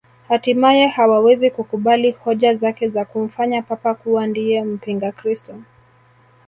Hatimaye hawawezi kukubali hoja zake za kumfanya Papa kuwa ndiye mpingakristo